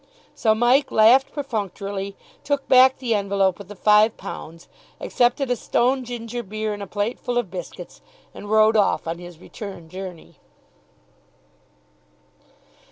So Mike laughed perfunctorily, took back the envelope with the five pounds, accepted a stone ginger beer and a plateful of biscuits, and rode off on his return journey.